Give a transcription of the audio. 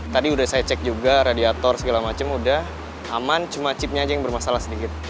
tadi udah saya cek juga radiator segala macam udah aman cuma chipnya aja yang bermasalah sedikit